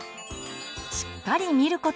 しっかり見ること。